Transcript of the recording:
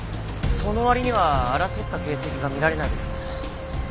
その割には争った形跡が見られないですね。